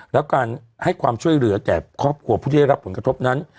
แล้วการให้ความช่วยเหลือแก่ครอบครัวผู้ได้รับผลกระทบนั้น